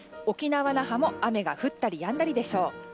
沖縄・那覇も雨が降ったりやんだりでしょう。